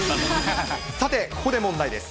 さて、ここで問題です。